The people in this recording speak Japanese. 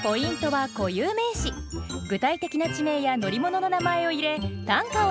具体的な地名や乗り物の名前を入れ短歌を詠みます。